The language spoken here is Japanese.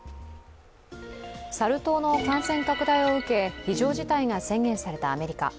サル痘の感染拡大を受け、非常事態が宣言されたアメリカ。